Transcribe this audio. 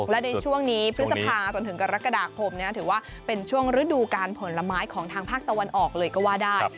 และในช่วงนี้พฤษภาจนถึงกรกฎาคมถือว่าเป็นช่วงฤดูการผลไม้ของทางภาคตะวันออกเลยก็ว่าได้